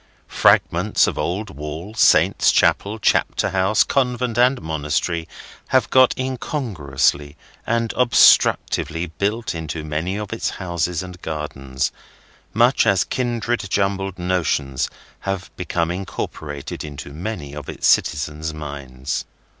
Fragments of old wall, saint's chapel, chapter house, convent and monastery, have got incongruously or obstructively built into many of its houses and gardens, much as kindred jumbled notions have become incorporated into many of its citizens' minds.